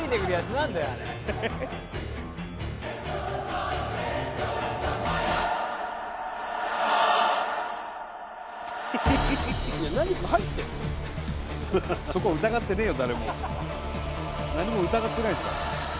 何も疑ってないですから。